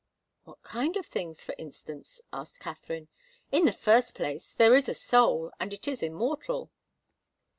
"What kind of things, for instance?" asked Katharine. "In the first place, there is a soul, and it is immortal."